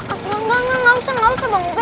enggak enggak enggak gak usah gak usah bang ube